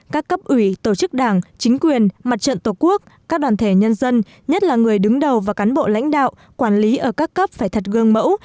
các cấp ủy tổ chức đảng chính quyền mặt trận tổ quốc các đoàn thể nhân dân nhất là người đứng đầu và cán bộ lãnh đạo quản lý ở các cấp phải thật gương mẫu